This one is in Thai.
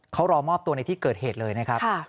เขารอมอบตัวในที่เกิดเหตุเลยนะครับ